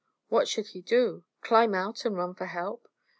What should he do? Climb out, and run for help?